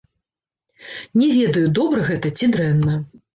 Не ведаю, добра гэта ці дрэнна.